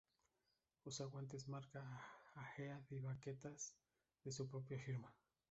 Usa guantes marca Ahead y baquetas de su propia firma.